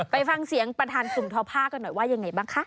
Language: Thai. ไปฟังเสียงประธานกลุ่มทอผ้ากันหน่อยว่ายังไงบ้างคะ